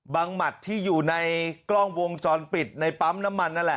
หมัดที่อยู่ในกล้องวงจรปิดในปั๊มน้ำมันนั่นแหละ